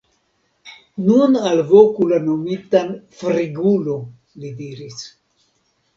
Nun alvoku la nomitan Frigulo, li diris.